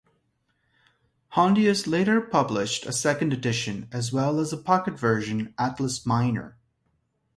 Hondius later published a second edition, as well as a pocket version "Atlas Minor".